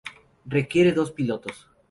Requiere dos pilotos.